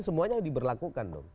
semuanya diberlakukan dong